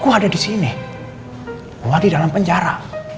gue ada disini gue di dalam penjara